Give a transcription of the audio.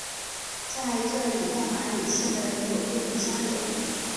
在这里代码与县的人口数据相连。